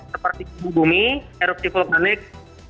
seperti bumi erupsi vulkanik